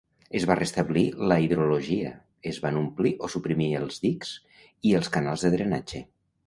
Es va restablir la hidrologia; es van omplir o suprimir els dics i els canals de drenatge.